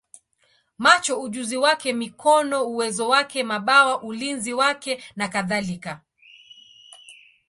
macho ujuzi wake, mikono uwezo wake, mabawa ulinzi wake, nakadhalika.